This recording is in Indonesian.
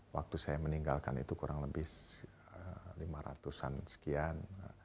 waktu saya meninggalkan itu kurang lebih lima ratus an sekian